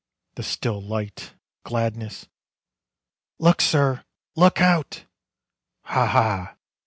_" The still light: gladness. "Look, sir. Look out!" Ha! ha!